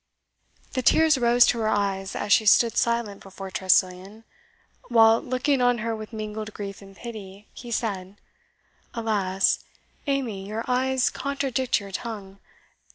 The tears rose to her eyes, as she stood silent before Tressilian; while, looking on her with mingled grief and pity, he said, "Alas! Amy, your eyes contradict your tongue.